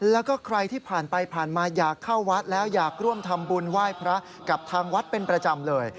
แล้วก็ใครที่ผ่านไปผ่านมาอยากเข้าวัดแล้วอยากร่วมทำบุญไหว้พระกับทางวัดเป็นประจำเลย